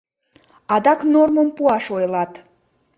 Адак нормым пуаш ойлат...